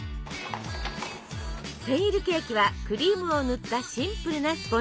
センイルケーキはクリームを塗ったシンプルなスポンジケーキ。